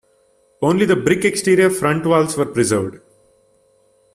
Only the brick exterior front walls were preserved.